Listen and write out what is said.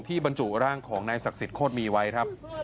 บรรจุร่างของนายศักดิ์สิทธิโคตรมีไว้ครับ